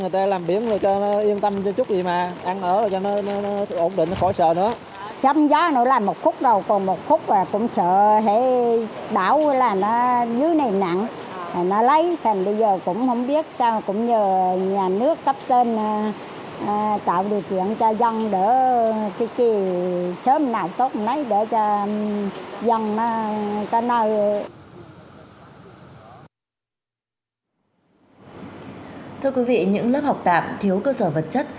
thưa quý vị những lớp học tạm thiếu cơ sở vật chất